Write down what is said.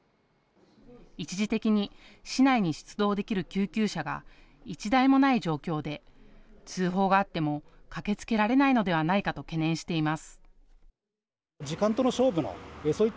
一時的に市内に出動できる救急車が１台もない状況で通報があっても駆けつけられないのではないかと懸念しています。